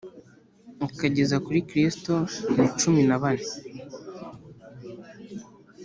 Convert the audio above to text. ukageza kuri Kristo ni cumi na bane